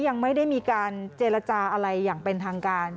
ยังไม่ได้มีการเจรจาอะไรอย่างเป็นทางการ